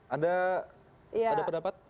anda ada pendapat